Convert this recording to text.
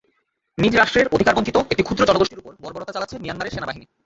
নিজ রাষ্ট্রের অধিকারবঞ্চিত একটি ক্ষুদ্র জনগোষ্ঠীর ওপর বর্বরতা চলাচ্ছে মিয়ানমারের সেনাবাহিনী।